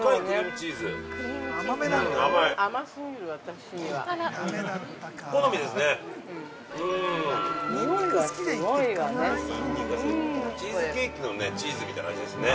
チーズケーキのチーズみたいな味ですね。